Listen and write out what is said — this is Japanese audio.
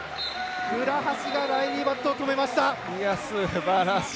倉橋がライリー・バットを止めました。